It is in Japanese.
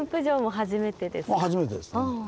初めてですね。